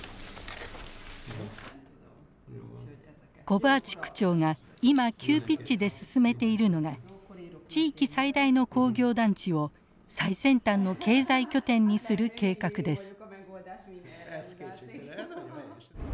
コバーチ区長が今急ピッチで進めているのが地域最大の工業団地を最先端の経済拠点にする計画です。